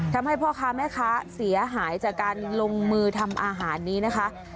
ทำให้พ่อค้าแม่ค้าเสียหายจากการลงมือทำอาหารนี้นะคะ